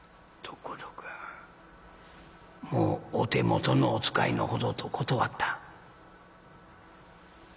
「ところがもうお手元のをお使いのほどと断った」。